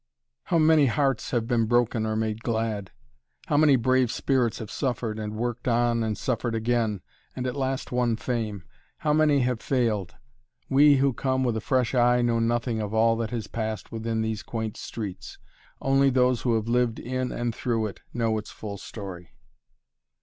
How many hearts have been broken or made glad! How many brave spirits have suffered and worked on and suffered again, and at last won fame! How many have failed! We who come with a fresh eye know nothing of all that has passed within these quaint streets only those who have lived in and through it know its full story.